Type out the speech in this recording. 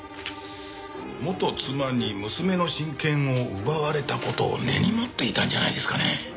元妻に娘の親権を奪われた事を根に持っていたんじゃないですかね？